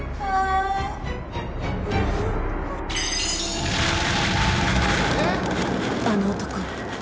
あの男